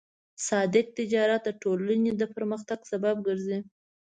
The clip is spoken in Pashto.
صادق تجارت د ټولنې د پرمختګ سبب ګرځي.